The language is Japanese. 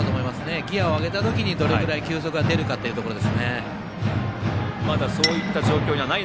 ギヤを上げたときにどれぐらい球速が出るかというところですね。